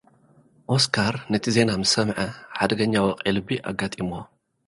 ኦስካር፡ ነቲ ዜና ምስ ሰምዐ፡ ሓደገኛ ወቕዒ ልቢ ኣጋጢሙዎ።